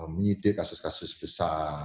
menyidik kasus kasus besar